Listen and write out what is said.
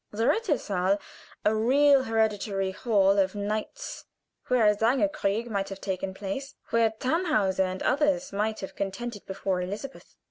The rittersaal a real, hereditary Hall of Knights where a sangerkrieg might have taken place where Tannhauser and the others might have contended before Elizabeth.